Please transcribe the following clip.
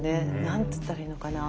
何つったらいいのかな